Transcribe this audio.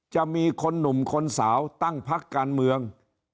จะมีคนหนุ่มคนสาวตั้งพักการเมือง